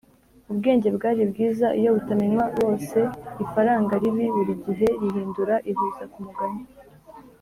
ubwenge bwari bwiza iyo butamenywa boseifaranga ribi burigihe rihindura ihuza kumugani